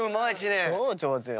超上手よ。